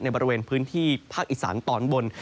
บริเวณพื้นที่ภาคอีสานตอนบน